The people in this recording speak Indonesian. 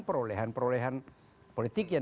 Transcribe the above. perolehan perolehan politik yang